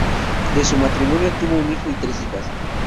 De su matrimonio tuvo un hijo y tres hijas.